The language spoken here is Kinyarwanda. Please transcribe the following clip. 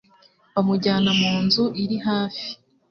Bamujyana mu nzu iri hafi.